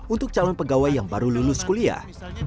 untuk calon pegawai yang baru lulus kuliah